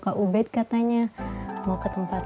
kak ubed katanya mau ke tempat